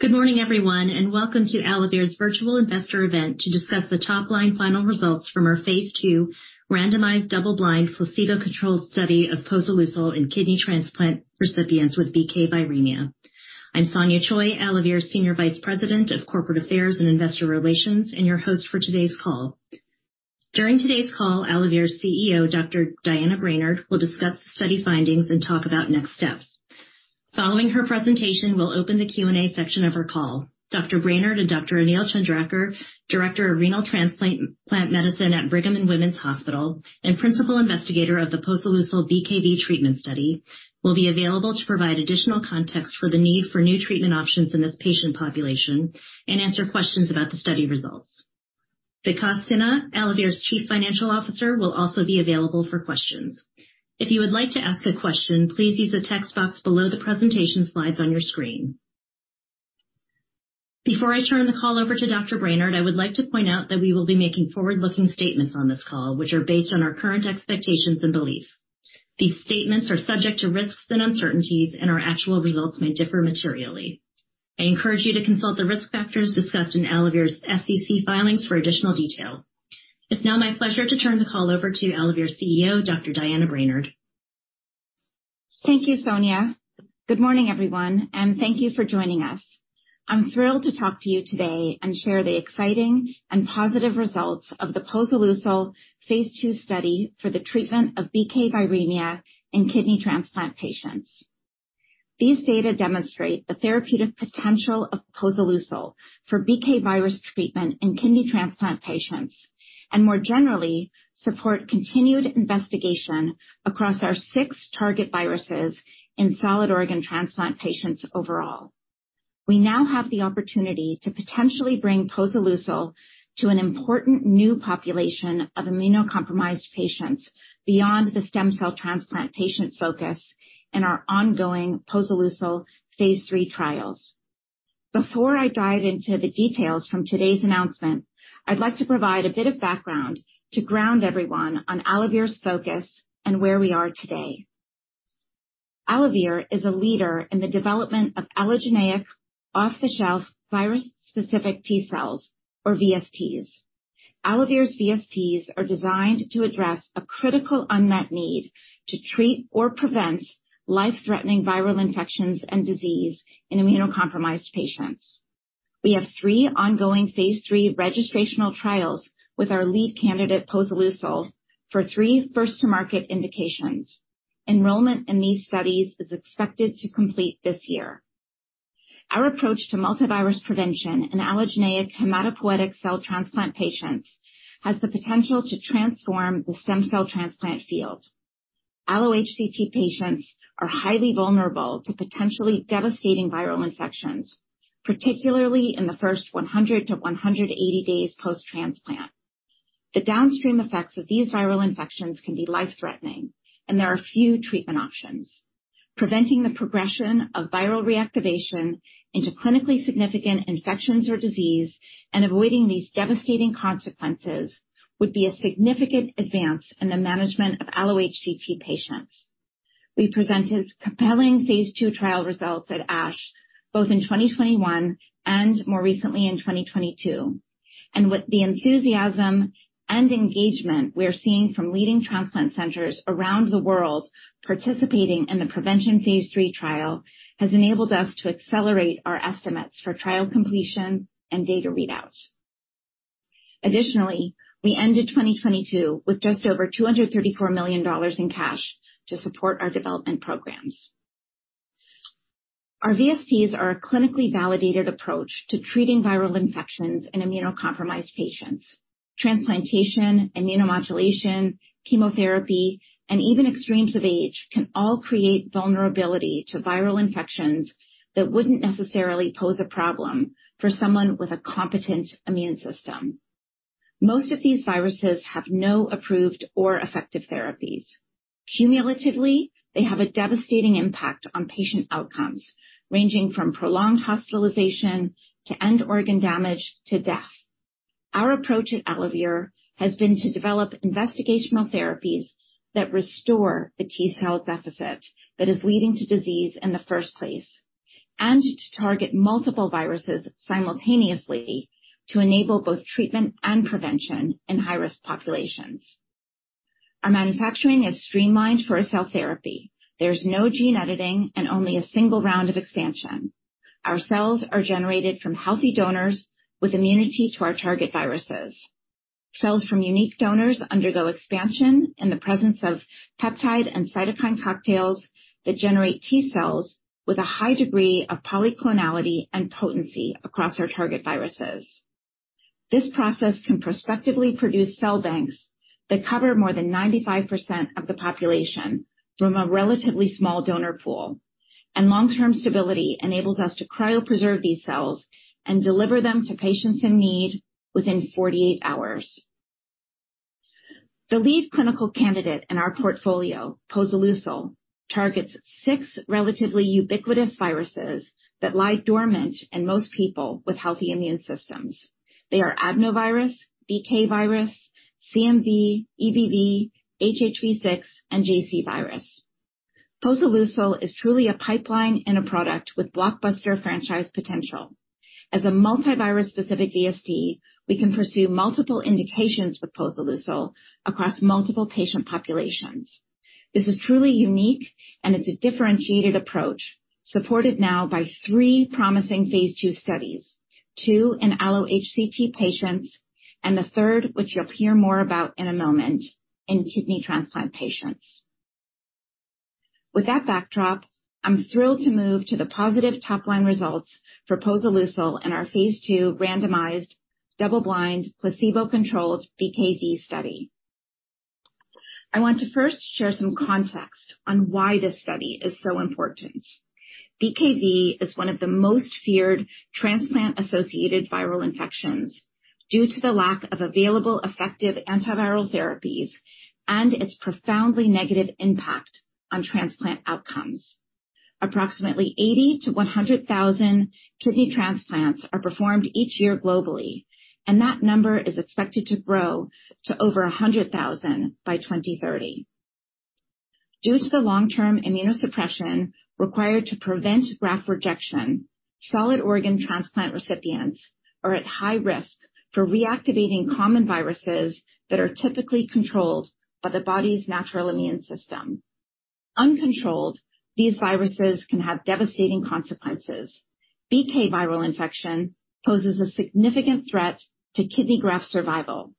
Good morning, everyone, and welcome to AlloVir's virtual investor event to discuss the top-line final results from our phase 2 randomized double-blind placebo-controlled study of posoleucel in kidney transplant recipients with BK viremia. I'm Sonia Choi, AlloVir's Senior Vice President of Corporate Affairs and Investor Relations, and your host for today's call. During today's call, AlloVir's CEO, Dr. Diana Brainard, will discuss the study findings and talk about next steps. Following her presentation, we'll open the Q&A section of our call. Dr. Brainard and Dr. Anil Chandraker, Director of Renal Transplant Medicine at Brigham and Women's Hospital and Principal Investigator of the Posoleucel BK treatment study, will be available to provide additional context for the need for new treatment options in this patient population and answer questions about the study results. Vikas Sinha, AlloVir's Chief Financial Officer, will also be available for questions. If you would like to ask a question, please use the text box below the presentation slides on your screen. Before I turn the call over to Dr. Brainard, I would like to point out that we will be making forward-looking statements on this call, which are based on our current expectations and beliefs. These statements are subject to risks and uncertainties, and our actual results may differ materially. I encourage you to consult the risk factors discussed in AlloVir's SEC filings for additional detail. It's now my pleasure to turn the call over to AlloVir's CEO, Dr. Diana Brainard. Thank you, Sonia. Good morning, everyone. Thank you for joining us. I'm thrilled to talk to you today and share the exciting and positive results of the posoleucel phase 2 study for the treatment of BK viremia in kidney transplant patients. These data demonstrate the therapeutic potential of posoleucel for BK virus treatment in kidney transplant patients, and more generally, support continued investigation across our 6 target viruses in solid organ transplant patients overall. We now have the opportunity to potentially bring posoleucel to an important new population of immunocompromised patients beyond the stem cell transplant patient focus in our ongoing posoleucel phase 3 trials. Before I dive into the details from today's announcement, I'd like to provide a bit of background to ground everyone on AlloVir's focus and where we are today. AlloVir is a leader in the development of allogeneic off-the-shelf virus-specific T cells or VSTs. AlloVir's VSTs are designed to address a critical unmet need to treat or prevent life-threatening viral infections and disease in immunocompromised patients. We have 3 ongoing phase 3 registrational trials with our lead candidate, posoleucel, for 3 first-to-market indications. Enrollment in these studies is expected to complete this year. Our approach to multi-virus prevention in allogeneic hematopoietic cell transplant patients has the potential to transform the stem cell transplant field. allo-HCT patients are highly vulnerable to potentially devastating viral infections, particularly in the first 100-180 days post-transplant. The downstream effects of these viral infections can be life-threatening, and there are few treatment options. Preventing the progression of viral reactivation into clinically significant infections or disease and avoiding these devastating consequences would be a significant advance in the management of allo-HCT patients. We presented compelling phase 2 trial results at ASH, both in 2021 and more recently in 2022. With the enthusiasm and engagement we're seeing from leading transplant centers around the world participating in the prevention phase 3 trial has enabled us to accelerate our estimates for trial completion and data readouts. Additionally, we ended 2022 with just over $234 million in cash to support our development programs. Our VSTs are a clinically validated approach to treating viral infections in immunocompromised patients. Transplantation, immunomodulation, chemotherapy, and even extremes of age can all create vulnerability to viral infections that wouldn't necessarily pose a problem for someone with a competent immune system. Most of these viruses have no approved or effective therapies. Cumulatively, they have a devastating impact on patient outcomes, ranging from prolonged hospitalization to end organ damage to death. Our approach at AlloVir has been to develop investigational therapies that restore the T-cell deficit that is leading to disease in the first place and to target multiple viruses simultaneously to enable both treatment and prevention in high-risk populations. Our manufacturing is streamlined for a cell therapy. There's no gene editing and only a single round of expansion. Our cells are generated from healthy donors with immunity to our target viruses. Cells from unique donors undergo expansion in the presence of peptide and cytokine cocktails that generate T-cells with a high degree of polyclonal and potency across our target viruses. This process can prospectively produce cell banks that cover more than 95% of the population from a relatively small donor pool. Long-term stability enables us to cryopreserve these cells and deliver them to patients in need within 48 hours. The lead clinical candidate in our portfolio, posoleucel, targets 6 relatively ubiquitous viruses that lie dormant in most people with healthy immune systems. They are adenovirus, BK virus, CMV, EBV, HHV-6, and JC virus. Posoleucel is truly a pipeline and a product with blockbuster franchise potential. As a multi-virus specific DSD, we can pursue multiple indications for posoleucel across multiple patient populations. This is truly unique, and it's a differentiated approach, supported now by 3 promising phase 2 studies, 2 in allo-HCT patients, and the third, which you'll hear more about in a moment, in kidney transplant patients. That backdrop, I'm thrilled to move to the positive top-line results for posoleucel in our phase 2 randomized double-blind placebo-controlled BKV study. I want to first share some context on why this study is so important. BKV is one of the most feared transplant-associated viral infections due to the lack of available, effective antiviral therapies and its profoundly negative impact on transplant outcomes. Approximately 80,000-100,000 kidney transplants are performed each year globally, that number is expected to grow to over 100,000 by 2030. Due to the long-term immunosuppression required to prevent graft rejection, solid organ transplant recipients are at high risk for reactivating common viruses that are typically controlled by the body's natural immune system. Uncontrolled, these viruses can have devastating consequences. BK viral infection poses a significant threat to kidney graft survival.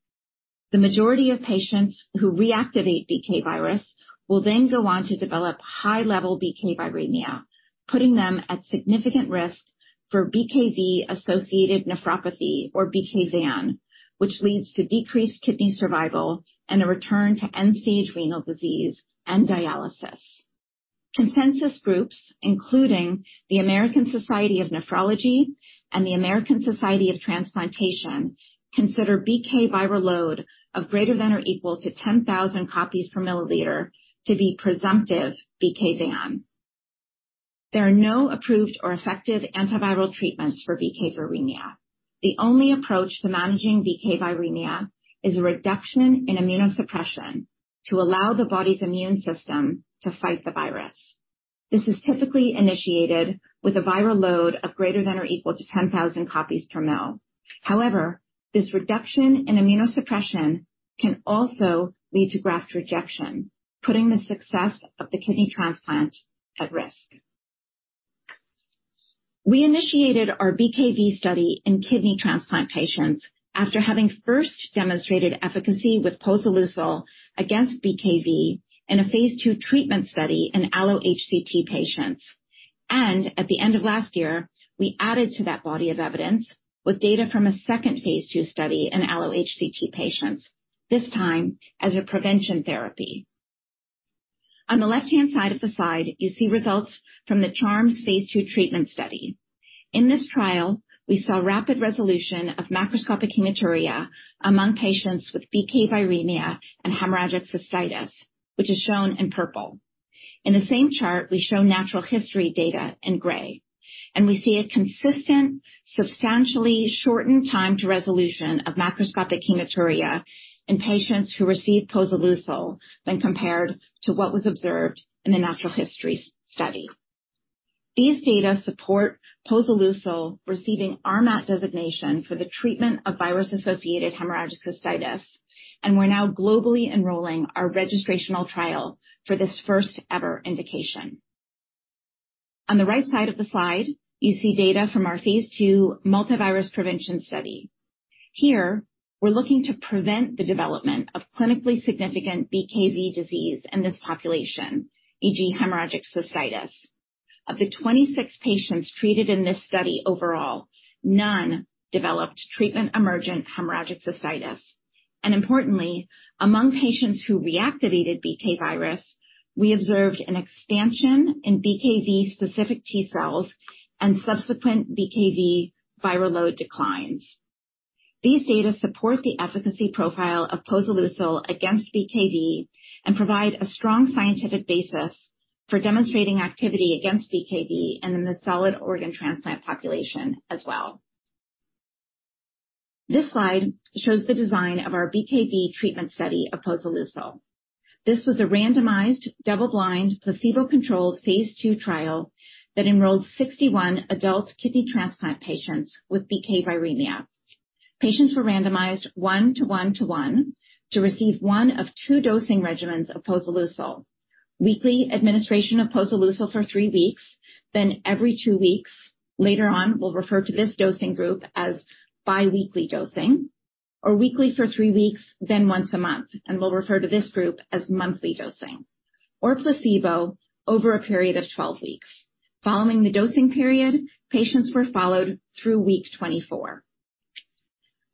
The majority of patients who reactivate BK virus will then go on to develop high level BK viremia, putting them at significant risk for BKV-associated nephropathy or BKVN, which leads to decreased kidney survival and a return to end-stage renal disease and dialysis. Consensus groups, including the American Society of Nephrology and the American Society of Transplantation, consider BK viral load of greater than or equal to 10,000 copies per milliliter to be presumptive BKVN. There are no approved or effective antiviral treatments for BK viremia. The only approach to managing BK viremia is a reduction in immunosuppression to allow the body's immune system to fight the virus. This is typically initiated with a viral load of greater than or equal to 10,000 copies per mil. However, this reduction in immunosuppression can also lead to graft rejection, putting the success of the kidney transplant at risk. We initiated our BKV study in kidney transplant patients after having first demonstrated efficacy with posoleucel against BKV in a phase 2 treatment study in allo-HCT patients. At the end of last year, we added to that body of evidence with data from a second phase 2 study in allo-HCT patients, this time as a prevention therapy. On the left-hand side of the slide, you see results from the CHARMS phase 2 treatment study. In this trial, we saw rapid resolution of macroscopic hematuria among patients with BK viremia and hemorrhagic cystitis, which is shown in purple. In the same chart, we show natural history data in gray, and we see a consistent, substantially shortened time to resolution of macroscopic hematuria in patients who received posoleucel when compared to what was observed in the natural history study. These data support posoleucel receiving RMAT designation for the treatment of virus-associated hemorrhagic cystitis, and we're now globally enrolling our registrational trial for this first ever indication. On the right side of the slide, you see data from our phase 2 multivirus prevention study. Here, we're looking to prevent the development of clinically significant BKV disease in this population, e.g., hemorrhagic cystitis. Of the 26 patients treated in this study overall, none developed treatment emergent hemorrhagic cystitis. Importantly, among patients who reactivated BK virus, we observed an expansion in BKV-specific T cells and subsequent BKV viral load declines. These data support the efficacy profile of posoleucel against BKV and provide a strong scientific basis for demonstrating activity against BKV and in the solid organ transplant population as well. This slide shows the design of our BKV treatment study of posoleucel. This was a randomized, double-blind, placebo-controlled phase 2 trial that enrolled 61 adult kidney transplant patients with BK viremia. Patients were randomized 1 to 1 to 1 to receive 1 of 2 dosing regimens of posoleucel. Weekly administration of posoleucel for three weeks, then every two weeks. Later on, we'll refer to this dosing group as biweekly dosing or weekly for three weeks, then once a month. We'll refer to this group as monthly dosing or placebo over a period of 12 weeks. Following the dosing period, patients were followed through week 24.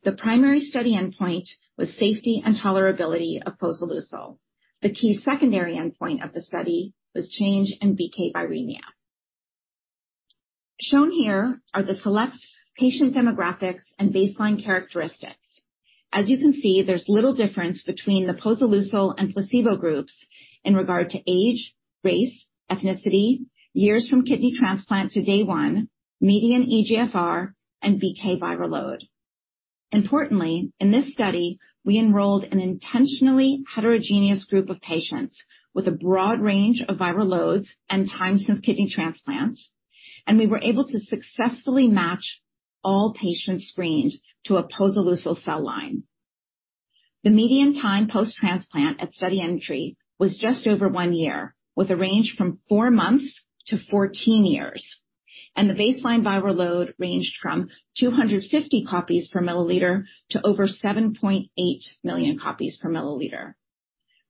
The primary study endpoint was safety and tolerability of posoleucel. The key secondary endpoint of the study was change in BK viremia. Shown here are the select patient demographics and baseline characteristics. As you can see, there's little difference between the posoleucel and placebo groups in regard to age, race, ethnicity, years from kidney transplant to day 1, median eGFR, and BK viral load. Importantly, in this study, we enrolled an intentionally heterogeneous group of patients with a broad range of viral loads and time since kidney transplants, and we were able to successfully match all patients screened to a posoleucel cell line. The median time post-transplant at study entry was just over 1 year, with a range from 4 months to 14 years, and the baseline viral load ranged from 250 copies per milliliter to over 7.8 million copies per milliliter.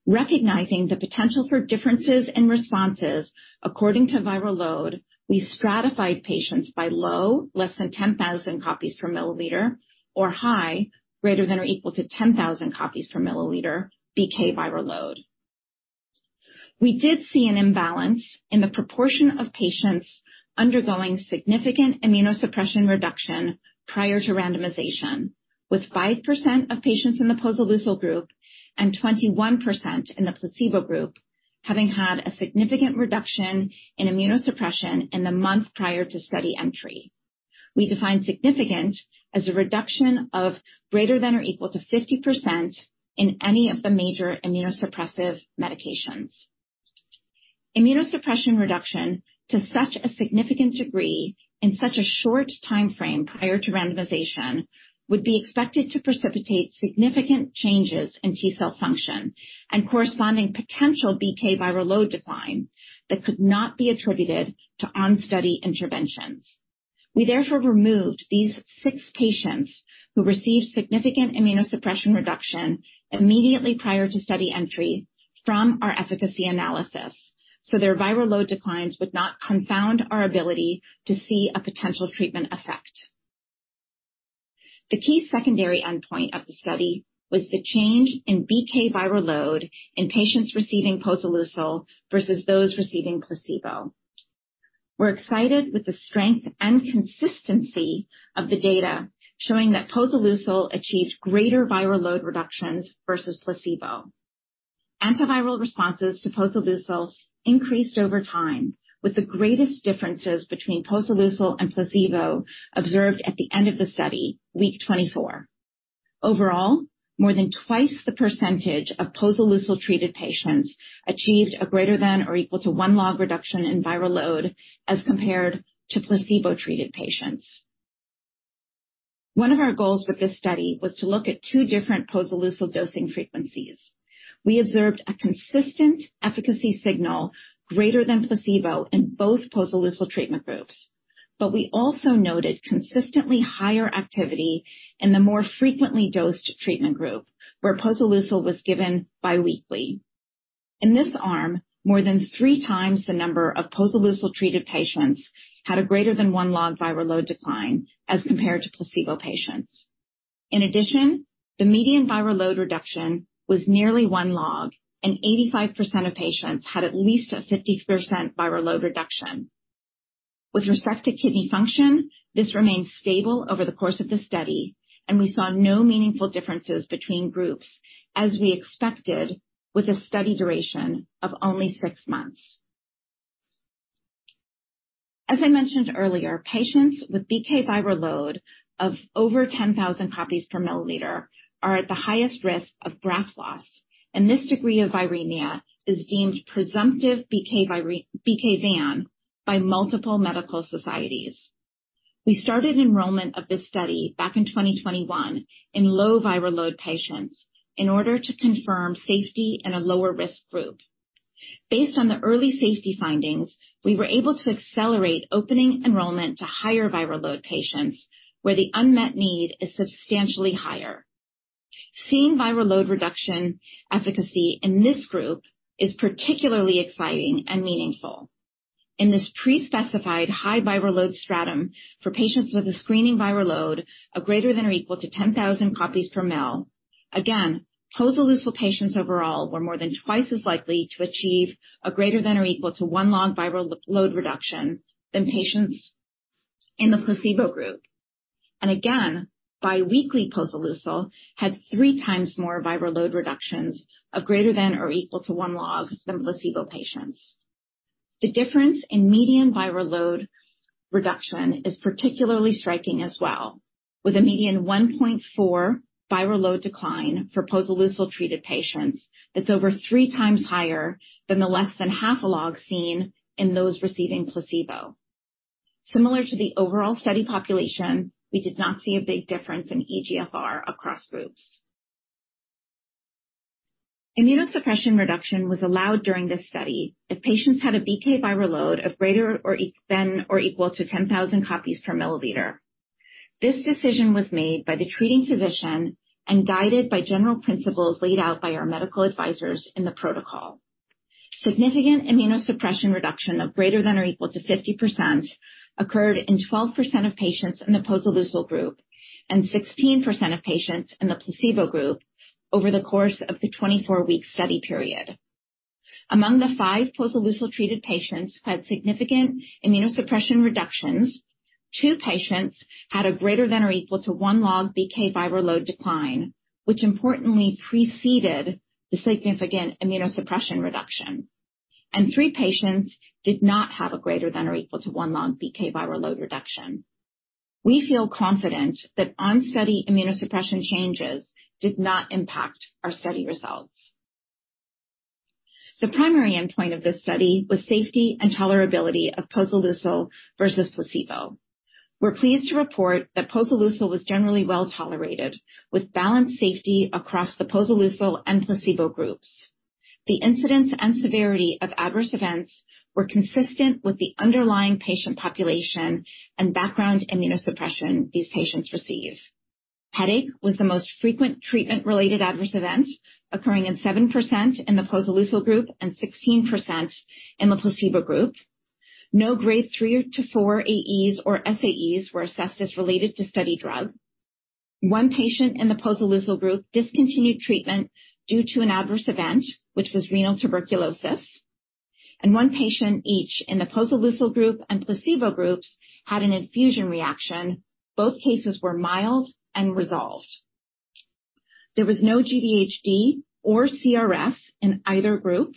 Recognizing the potential for differences in responses according to viral load, we stratified patients by low, less than 10,000 copies per milliliter, or high, greater than or equal to 10,000 copies per milliliter BK viral load. We did see an imbalance in the proportion of patients undergoing significant immunosuppression reduction prior to randomization, with 5% of patients in the posoleucel group and 21% in the placebo group having had a significant reduction in immunosuppression in the month prior to study entry. We define significant as a reduction of greater than or equal to 50% in any of the major immunosuppressive medications. Immunosuppression reduction to such a significant degree in such a short time frame prior to randomization would be expected to precipitate significant changes in T-cell function and corresponding potential BK viral load decline that could not be attributed to on-study interventions. We therefore removed these 6 patients who received significant immunosuppression reduction immediately prior to study entry from our efficacy analysis so their viral load declines would not confound our ability to see a potential treatment effect. The key secondary endpoint of the study was the change in BK viral load in patients receiving posoleucel versus those receiving placebo. We're excited with the strength and consistency of the data showing that posoleucel achieved greater viral load reductions versus placebo. Antiviral responses to posoleucel increased over time, with the greatest differences between posoleucel and placebo observed at the end of the study, week 24. Overall, more than twice the percentage of posoleucel-treated patients achieved a greater than or equal to 1 log reduction in viral load as compared to placebo-treated patients. One of our goals with this study was to look at 2 different posoleucel dosing frequencies. We observed a consistent efficacy signal greater than placebo in both posoleucel treatment groups, but we also noted consistently higher activity in the more frequently dosed treatment group where posoleucel was given bi-weekly. In this arm, more than three times the number of posoleucel-treated patients had a greater than 1 log viral load decline as compared to placebo patients. In addition, the median viral load reduction was nearly 1 log, and 85% of patients had at least a 50% viral load reduction. With respect to kidney function, this remained stable over the course of the study, and we saw no meaningful differences between groups, as we expected with a study duration of only 6 months. As I mentioned earlier, patients with BK viral load of over 10,000 copies per milliliter are at the highest risk of graft loss. This degree of viremia is deemed presumptive BKVAN by multiple medical societies. We started enrollment of this study back in 2021 in low viral load patients in order to confirm safety in a lower risk group. Based on the early safety findings, we were able to accelerate opening enrollment to higher viral load patients where the unmet need is substantially higher. Seeing viral load reduction efficacy in this group is particularly exciting and meaningful. In this pre-specified high viral load stratum for patients with a screening viral load of greater than or equal to 10,000 copies per ml, again, posoleucel patients overall were more than twice as likely to achieve a greater than or equal to 1 log viral load reduction than patients in the placebo group. Again, bi-weekly posoleucel had 3 times more viral load reductions of greater than or equal to 1 log than placebo patients. The difference in median viral load reduction is particularly striking as well, with a median 1.4 viral load decline for posoleucel-treated patients that's over 3 times higher than the less than half a log seen in those receiving placebo. Similar to the overall study population, we did not see a big difference in eGFR across groups. Immunosuppression reduction was allowed during this study if patients had a BK viral load of greater than or equal to 10,000 copies per milliliter. This decision was made by the treating physician and guided by general principles laid out by our medical advisors in the protocol. Significant immunosuppression reduction of greater than or equal to 50% occurred in 12% of patients in the posoleucel group and 16% of patients in the placebo group over the course of the 24-week study period. Among the 5 posoleucel-treated patients who had significant immunosuppression reductions, 2 patients had a greater than or equal to 1 log BK viral load decline, which importantly preceded the significant immunosuppression reduction. Three patients did not have a greater than or equal to 1 log BK viral load reduction. We feel confident that on study immunosuppression changes did not impact our study results. The primary endpoint of this study was safety and tolerability of posoleucel versus placebo. We're pleased to report that posoleucel was generally well tolerated, with balanced safety across the posoleucel and placebo groups. The incidence and severity of adverse events were consistent with the underlying patient population and background immunosuppression these patients receive. Headache was the most frequent treatment-related adverse event, occurring in 7% in the posoleucel group and 16% in the placebo group. No grade 3-4 AEs or SAEs were assessed as related to study drug. 1 patient in the posoleucel group discontinued treatment due to an adverse event, which was renal tuberculosis. 1 patient each in the posoleucel group and placebo groups had an infusion reaction. Both cases were mild and resolved. There was no GVHD or CRS in either group,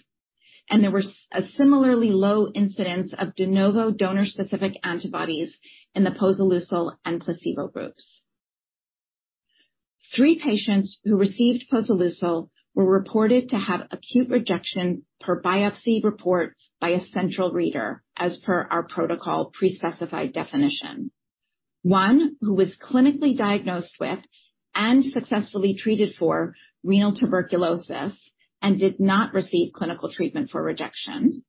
and there was a similarly low incidence of de novo donor-specific antibodies in the posoleucel and placebo groups. 3 patients who received posoleucel were reported to have acute rejection per biopsy report by a central reader, as per our protocol pre-specified definition. 1 who was clinically diagnosed with and successfully treated for renal tuberculosis and did not receive clinical treatment for rejection.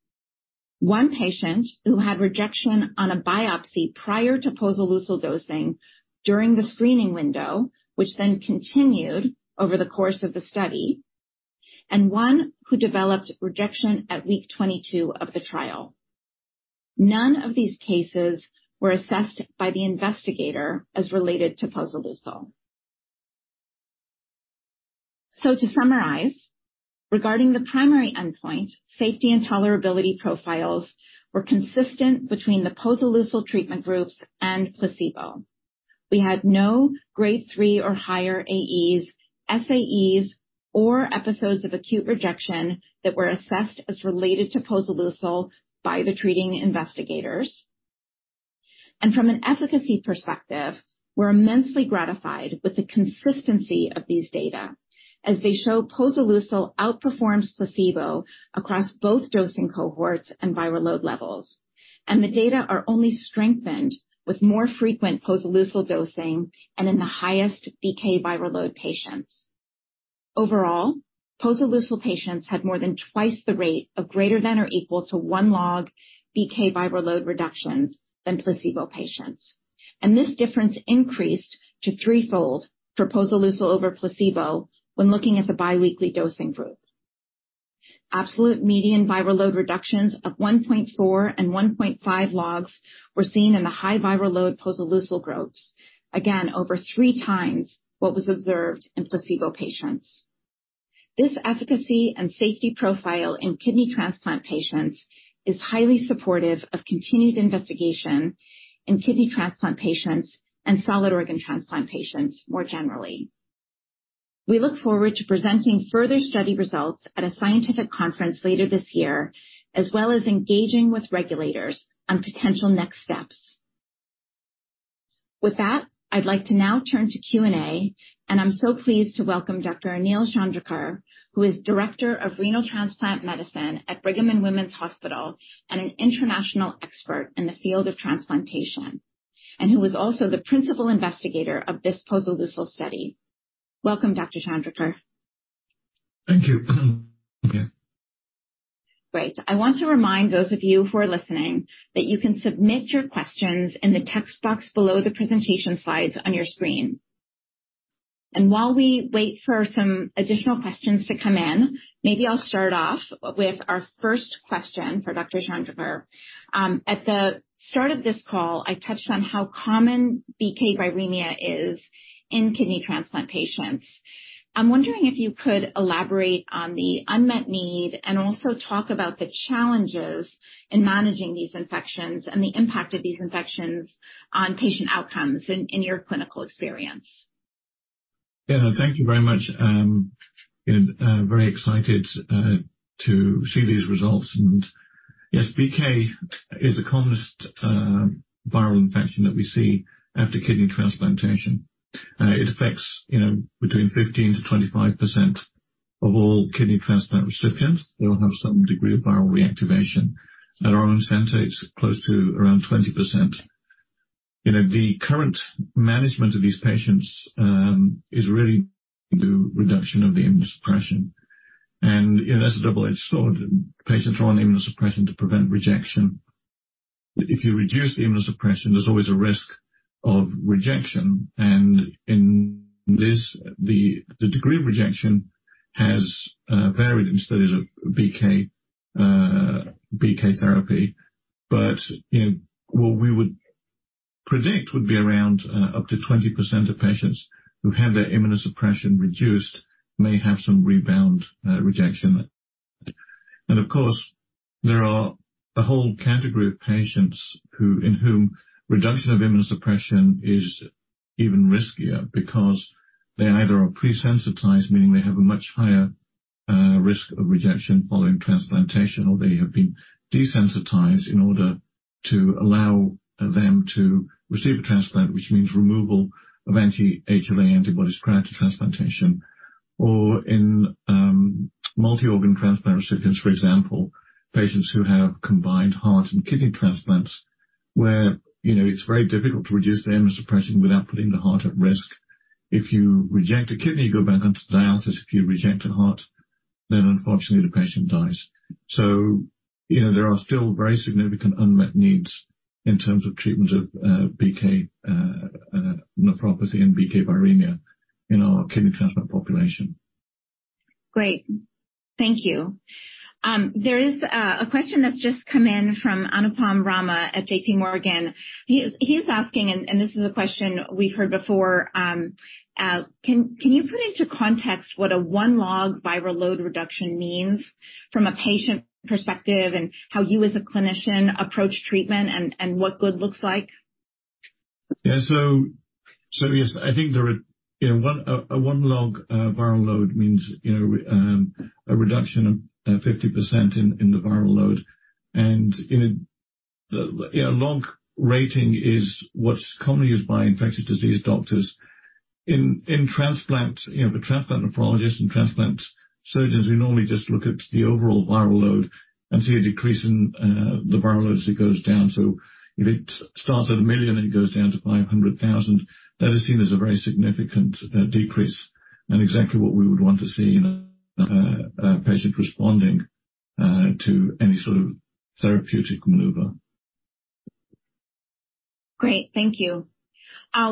1 patient who had rejection on a biopsy prior to posoleucel dosing during the screening window, which then continued over the course of the study. 1 who developed rejection at week 22 of the trial. None of these cases were assessed by the investigator as related to posoleucel. To summarize, regarding the primary endpoint, safety and tolerability profiles were consistent between the posoleucel treatment groups and placebo. We had no grade 3 or higher AEs, SAEs, or episodes of acute rejection that were assessed as related to posoleucel by the treating investigators. From an efficacy perspective, we're immensely gratified with the consistency of these data as they show posoleucel outperforms placebo across both dosing cohorts and viral load levels. The data are only strengthened with more frequent posoleucel dosing and in the highest BK viral load patients. Overall, posoleucel patients had more than 2x the rate of greater than or equal to 1 log BK viral load reductions than placebo patients. This difference increased to 3x for posoleucel over placebo when looking at the bi-weekly dosing group. Absolute median viral load reductions of 1.4 and 1.5 logs were seen in the high viral load posoleucel groups, again, over 3x what was observed in placebo patients. This efficacy and safety profile in kidney transplant patients is highly supportive of continued investigation in kidney transplant patients and solid organ transplant patients more generally. We look forward to presenting further study results at a scientific conference later this year, as well as engaging with regulators on potential next steps. With that, I'd like to now turn to Q&A, and I'm so pleased to welcome Dr. Anil Chandraker, who is Director of Renal Transplant Medicine at Brigham and Women's Hospital and an international expert in the field of transplantation, and who is also the principal investigator of this posoleucel study. Welcome, Dr. Chandraker. Thank you. Okay. Great. I want to remind those of you who are listening that you can submit your questions in the text box below the presentation slides on your screen. While we wait for some additional questions to come in, maybe I'll start off with our first question for Dr. Chandraker. At the start of this call, I touched on how common BK viremia is in kidney transplant patients. I'm wondering if you could elaborate on the unmet need and also talk about the challenges in managing these infections and the impact of these infections on patient outcomes in your clinical experience. Yeah. Thank you very much. You know, very excited to see these results. Yes, BK is the commonest viral infection that we see after kidney transplantation. It affects, you know, between 15%-25% of all kidney transplant recipients. They all have some degree of viral reactivation. At our own center, it's close to around 20%. You know, the current management of these patients is really the reduction of the immunosuppression. You know, that's a double-edged sword. Patients are on immunosuppression to prevent rejection. If you reduce the immunosuppression, there's always a risk of rejection. In this, the degree of rejection has varied in studies of BK therapy. You know, what we would predict would be around up to 20% of patients who have their immunosuppression reduced may have some rebound rejection. Of course, there are a whole category of patients in whom reduction of immunosuppression is even riskier because they either are pre-sensitized, meaning they have a much higher risk of rejection following transplantation, or they have been desensitized in order to allow them to receive a transplant, which means removal of anti-HLA antibodies prior to transplantation. In multi-organ transplant recipients, for example, patients who have combined heart and kidney transplants where, you know, it's very difficult to reduce the immunosuppression without putting the heart at risk. If you reject a kidney, you go back onto dialysis. If you reject a heart, unfortunately the patient dies. You know, there are still very significant unmet needs in terms of treatment of, BK, nephropathy and BK viremia in our kidney transplant population. Great. Thank you. There is a question that's just come in from Anupam Rama at JPMorgan. He's asking, and this is a question we've heard before. Can you put into context what a 1 log viral load reduction means from a patient perspective and how you as a clinician approach treatment and what good looks like? Yeah, so yes, I think there are, you know, 1 log viral load means, you know, a reduction of 50% in the viral load. In a, yeah, log rating is what's commonly used by infectious disease doctors. In transplant, you know, for transplant nephrologists and transplant surgeons, we normally just look at the overall viral load and see a decrease in the viral load as it goes down. If it starts at 1 million and it goes down to 500,000, that is seen as a very significant decrease and exactly what we would want to see in a patient responding to any sort of therapeutic maneuver. Great. Thank you.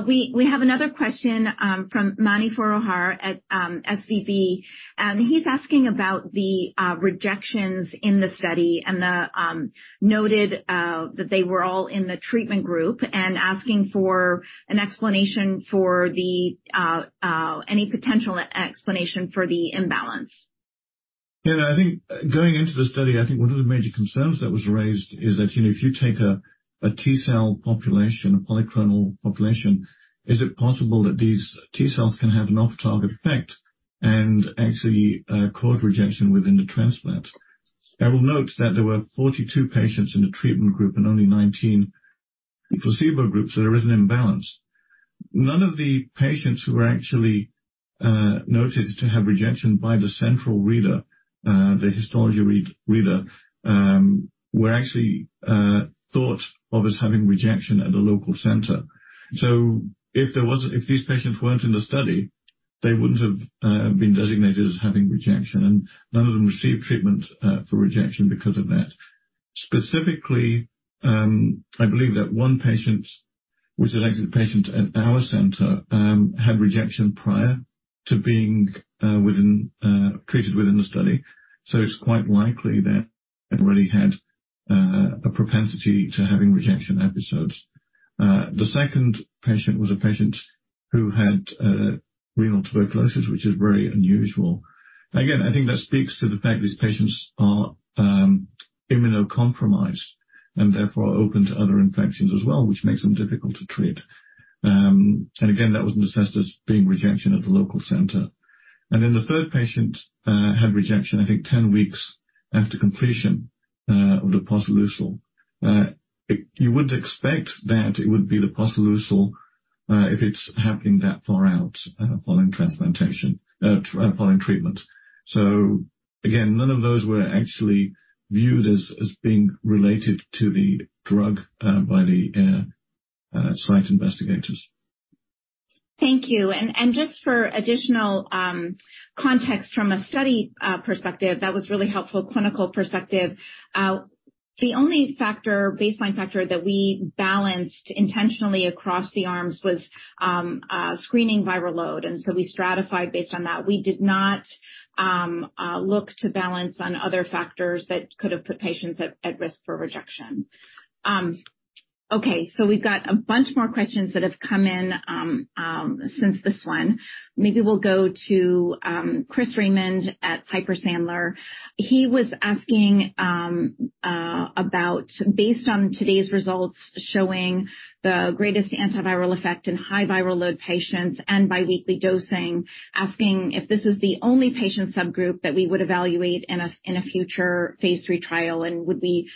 We have another question from Mani Foroohar at SVB, and he's asking about the rejections in the study and the noted that they were all in the treatment group and asking for any potential explanation for the imbalance. Yeah, I think going into the study, I think one of the major concerns that was raised is that, you know, if you take a T cell population, a polyclonal population, is it possible that these T cells can have an off-target effect and actually cause rejection within the transplant? I will note that there were 42 patients in the treatment group and only 19 placebo groups. There is an imbalance. None of the patients who were actually noted to have rejection by the central reader, the histology read-reader, were actually thought of as having rejection at a local center. If these patients weren't in the study, they wouldn't have been designated as having rejection, and none of them received treatment for rejection because of that. Specifically, I believe that one patient was an exit patient at our center, had rejection prior to being treated within the study. It's quite likely that they already had a propensity to having rejection episodes. The second patient was a patient who had renal tuberculosis, which is very unusual. Again, I think that speaks to the fact these patients are immunocompromised and therefore open to other infections as well, which makes them difficult to treat. Again, that was assessed as being rejection at the local center. The third patient had rejection, I think 10 weeks after completion of the posoleucel. You wouldn't expect that it would be the posoleucel, if it's happening that far out following transplantation following treatment. Again, none of those were actually viewed as being related to the drug, by the site investigators. Thank you. Just for additional context from a study perspective, that was really helpful, clinical perspective. The only factor, baseline factor that we balanced intentionally across the arms was screening viral load, and so we stratified based on that. We did not look to balance on other factors that could have put patients at risk for rejection. Okay, we've got a bunch more questions that have come in since this one. Maybe we'll go to Christopher Raymond at Piper Sandler. He was asking about based on today's results showing the greatest antiviral effect in high viral load patients and bi-weekly dosing, asking if this is the only patient subgroup that we would evaluate in a future phase 3 trial, and would we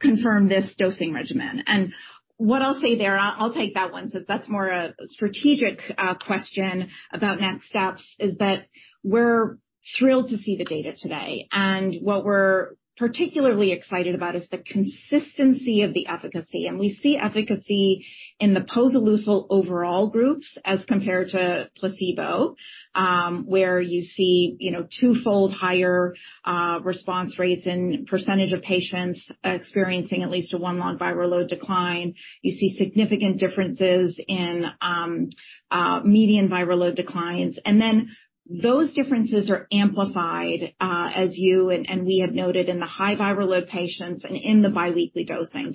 confirm this dosing regimen? What I'll say there, I'll take that one, so that's more a strategic question about next steps, is that we're thrilled to see the data today. What we're particularly excited about is the consistency of the efficacy. We see efficacy in the posoleucel overall groups as compared to placebo, where you see, you know, 2-fold higher response rates in percentage of patients experiencing at least a 1 log viral load decline. You see significant differences in median viral load declines. Then those differences are amplified as you and we have noted in the high viral load patients and in the bi-weekly dosing.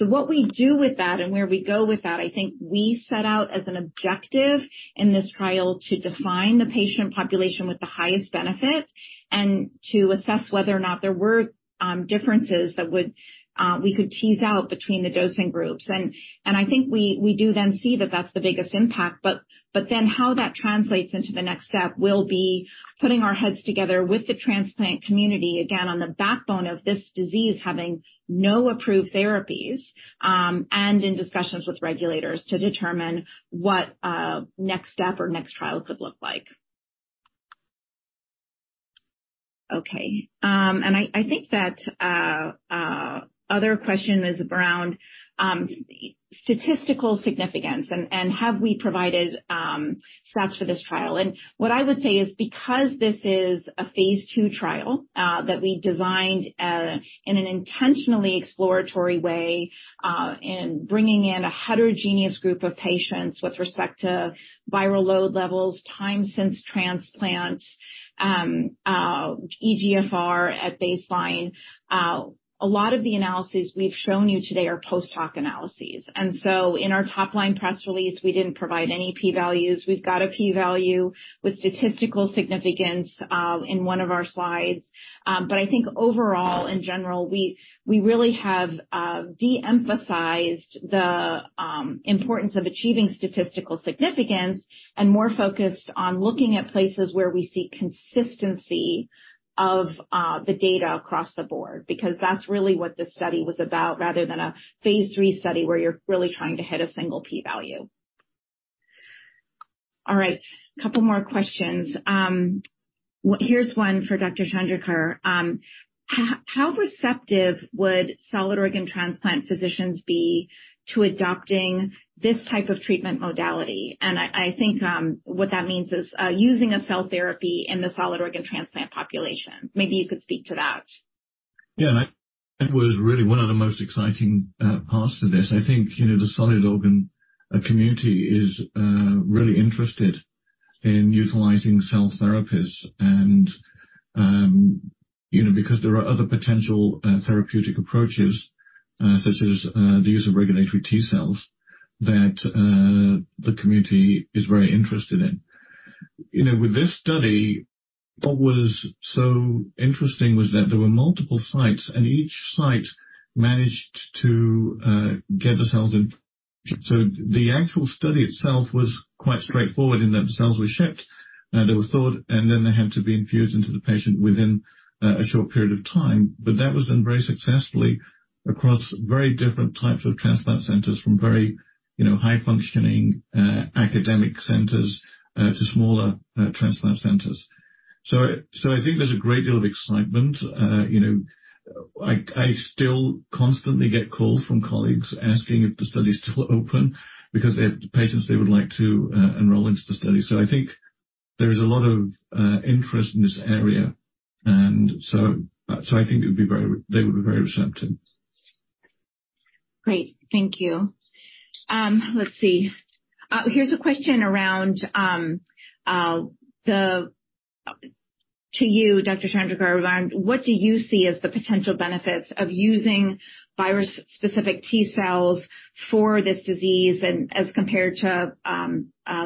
What we do with that and where we go with that, I think we set out as an objective in this trial to define the patient population with the highest benefit and to assess whether or not there were differences that would we could tease out between the dosing groups. I think we do then see that that's the biggest impact. How that translates into the next step will be putting our heads together with the transplant community, again, on the backbone of this disease having no approved therapies, and in discussions with regulators to determine what a next step or next trial could look like. Okay. I think that other question is around statistical significance and have we provided stats for this trial? What I would say is because this is a phase 2 trial that we designed in an intentionally exploratory way, in bringing in a heterogeneous group of patients with respect to viral load levels, time since transplant, eGFR at baseline. A lot of the analysis we've shown you today are post-hoc analyses. In our top line press release, we didn't provide any P values. We've got a P-value with statistical significance in one of our slides. I think overall, in general, we really have de-emphasized the importance of achieving statistical significance and more focused on looking at places where we see consistency of the data across the board, because that's really what this study was about, rather than a phase 3 study where you're really trying to hit a single P value. All right, couple more questions. Here's one for Dr. Chandraker. How receptive would solid organ transplant physicians be to adopting this type of treatment modality? I think what that means is using a cell therapy in the solid organ transplant population. Maybe you could speak to that. Yeah. That was really one of the most exciting parts to this. I think, you know, the solid organ community is really interested in utilizing cell therapies and, you know, because there are other potential therapeutic approaches, such as the use of regulatory T cells that the community is very interested in. You know, with this study, what was so interesting was that there were multiple sites. Each site managed to get the cells in. The actual study itself was quite straightforward in that the cells were shipped, and they were thawed, and then they had to be infused into the patient within a short period of time. That was done very successfully across very different types of transplant centers from very, you know, high functioning academic centers to smaller transplant centers. I think there's a great deal of excitement. You know, I still constantly get calls from colleagues asking if the study is still open because they have patients they would like to enroll into the study. I think there is a lot of interest in this area. I think it would be very receptive. Great. Thank you. let's see. here's a question around to you, Dr. Chandraker, around what do you see as the potential benefits of using virus-specific T cells for this disease and as compared to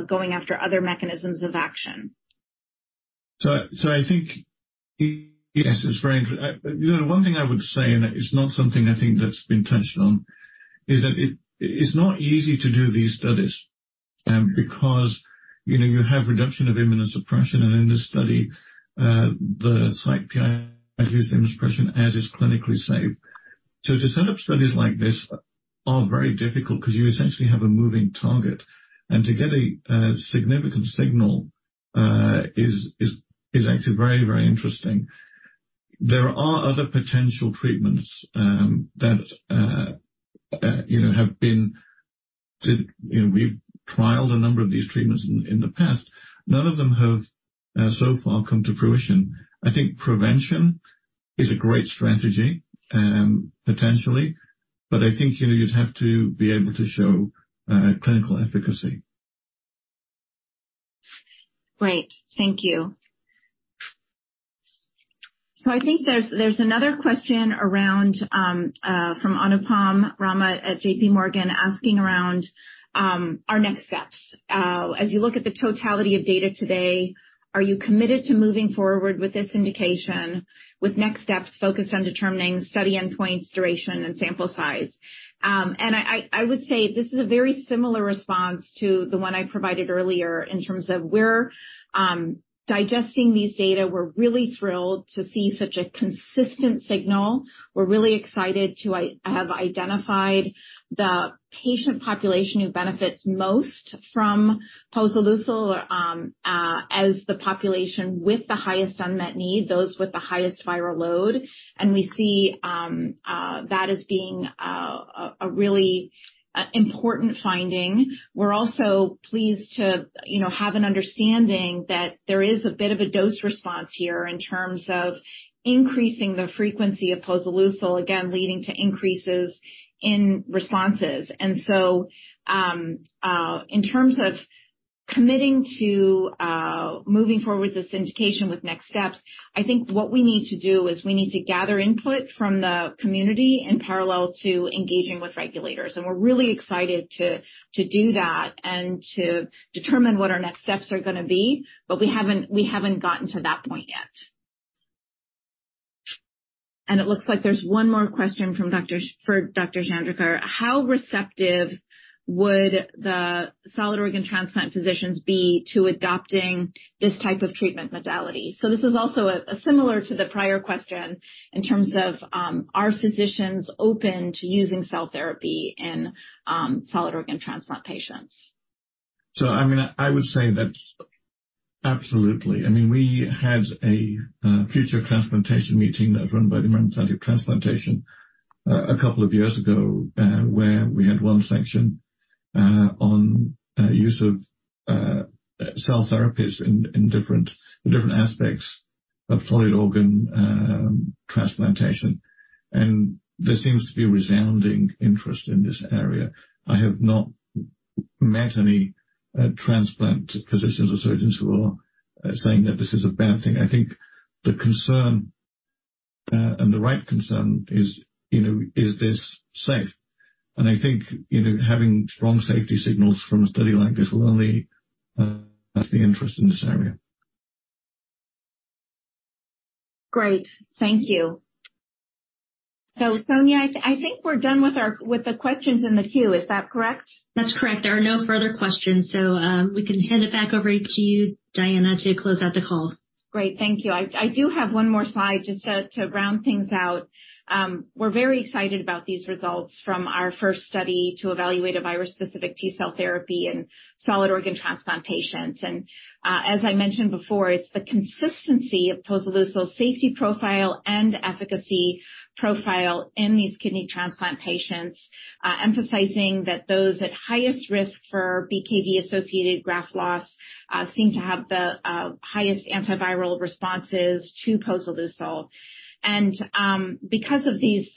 going after other mechanisms of action? So I think, yes, it's very inter-- You know, one thing I would say, and it's not something I think that's been touched on, is that it is not easy to do these studies, because, you know, you have reduction of immunosuppression, and in this study, the site PI uses immunosuppression as is clinically safe. To set up studies like this are very difficult because you essentially have a moving target. To get a significant signal is actually very interesting. There are other potential treatments that, you know, we've trialed a number of these treatments in the past. None of them have so far come to fruition. I think prevention is a great strategy, potentially, but I think, you know, you'd have to be able to show clinical efficacy. Great. Thank you. I think there's another question around from Anupam Rama at J.P. Morgan asking around our next steps. As you look at the totality of data today, are you committed to moving forward with this indication with next steps focused on determining study endpoints, duration and sample size? I would say this is a very similar response to the one I provided earlier in terms of we're digesting these data. We're really thrilled to see such a consistent signal. We're really excited to have identified the patient population who benefits most from posoleucel as the population with the highest unmet need, those with the highest viral load. We see that as being a really important finding. We're also pleased to, you know, have an understanding that there is a bit of a dose response here in terms of increasing the frequency of posoleucel, again, leading to increases in responses. In terms of committing to moving forward this indication with next steps, I think what we need to do is we need to gather input from the community in parallel to engaging with regulators. We're really excited to do that and to determine what our next steps are gonna be. We haven't gotten to that point yet. It looks like there's one more question for Dr. Chandraker. How receptive would the solid organ transplant physicians be to adopting this type of treatment modality? This is also, similar to the prior question in terms of, are physicians open to using cell therapy in solid organ transplant patients? I mean, I would say that absolutely. I mean, we had a future transplantation meeting that was run by the American Society of Transplantation a couple of years ago, where we had one section on use of cell therapies in different aspects of solid organ transplantation. There seems to be resounding interest in this area. I have not met any transplant physicians or surgeons who are saying that this is a bad thing. I think the concern and the right concern is, you know, is this safe? I think, you know, having strong safety signals from a study like this will only enhance the interest in this area. Great. Thank you. Sonia, I think we're done with the questions in the queue. Is that correct? That's correct. There are no further questions, so we can hand it back over to you, Diana, to close out the call. Great. Thank you. I do have one more slide just to round things out. We're very excited about these results from our first study to evaluate a virus-specific T cell therapy in solid organ transplant patients. As I mentioned before, it's the consistency of posoleucel's safety profile and efficacy profile in these kidney transplant patients, emphasizing that those at highest risk for BKV-associated graft loss seem to have the highest antiviral responses to posoleucel. Because of these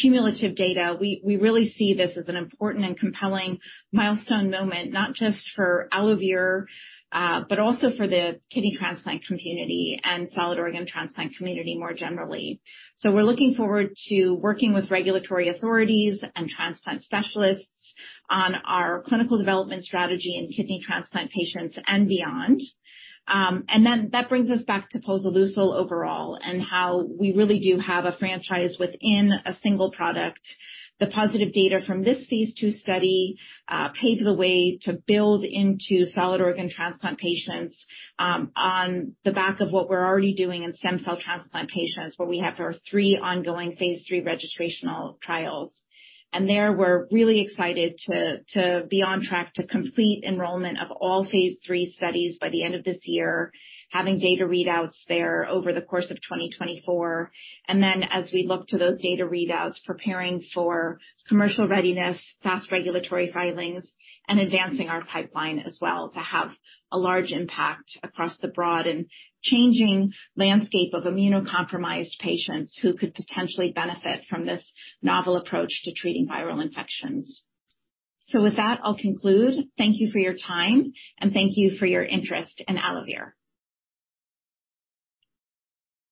cumulative data, we really see this as an important and compelling milestone moment, not just for AlloVir, but also for the kidney transplant community and solid organ transplant community more generally. We're looking forward to working with regulatory authorities and transplant specialists on our clinical development strategy in kidney transplant patients and beyond. That brings us back to posoleucel overall and how we really do have a franchise within a single product. The positive data from this phase 2 study paves the way to build into solid organ transplant patients on the back of what we're already doing in stem cell transplant patients, where we have our 3 ongoing phase 3 registrational trials. There, we're really excited to be on track to complete enrollment of all phase 3 studies by the end of this year, having data readouts there over the course of 2024. As we look to those data readouts, preparing for commercial readiness, fast regulatory filings, and advancing our pipeline as well to have a large impact across the broad and changing landscape of immunocompromised patients who could potentially benefit from this novel approach to treating viral infections. With that, I'll conclude. Thank you for your time, and thank you for your interest in AlloVir.